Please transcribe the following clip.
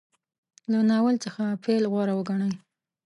له ناول څخه پیل غوره وګڼي.